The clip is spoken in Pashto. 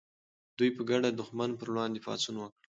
دوی په ګډه د دښمن پر وړاندې پاڅون وکړ.